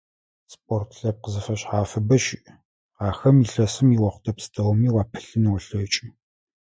Спорт лъэпкъ зэфэшъхьафыбэ щыӀ, ахэм илъэсым иохътэ пстэуми уапылъын олъэкӀы.